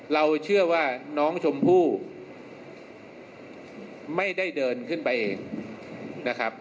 เราเชื่อว่าน้องชมพู่ไม่ได้เดินขึ้นไปเองนะครับ